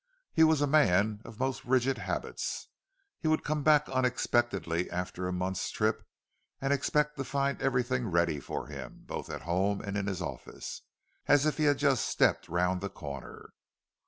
He was a man of most rigid habits—he would come back unexpectedly after a month's trip, and expect to find everything ready for him, both at home and in his office, as if he had just stepped round the corner.